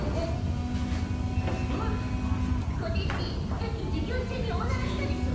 さっき授業中におならしたでしょ！